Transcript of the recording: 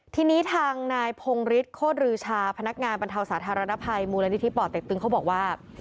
ทีนี้ทางนายพงฤทธิโคตรือชาพนักงานบรรเทาสาธารณภัยมูลนิธิป่อเต็กตึงเขาบอกว่า